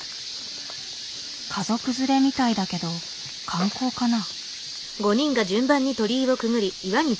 家族連れみたいだけど観光かな？